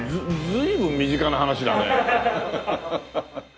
随分身近な話だね。